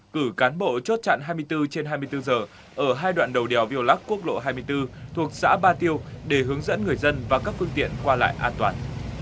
cử cán bộ chốt chặn hai mươi bốn trên hai mươi bốn giờ ở hai đoạn đầu đèo viều lắc quốc lộ hai mươi bốn thuộc xã ba tiêu để hướng dẫn người dân và các phương tiện qua lại an toàn